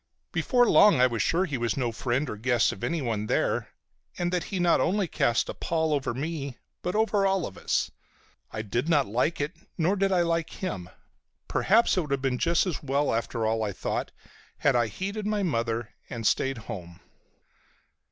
Before long I was sure he was no friend or guest of anyone there, and that he not only cast a pall over me but over all of us. I did not like it, nor did I like him. Perhaps it would have been just as well after all, I thought, had I heeded my mother and stayed home.